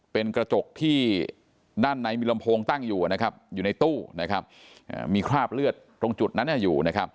เป็นกระจกที่ด้านไหนมีลำโพงตั้งอยู่อยู่ในตู้มีคราบเลือดตรงจุดนั้นอยู่